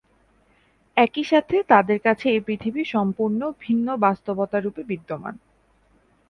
একই সাথে তাদের কাছে এই পৃথিবী সম্পূর্ণ ভিন্ন-বাস্তবতারূপে বিদ্যমান।